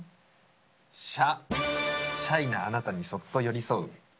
シャ、シャイなあなたにそっと寄り添う。